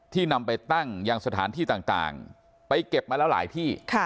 นำไปตั้งยังสถานที่ต่างไปเก็บมาแล้วหลายที่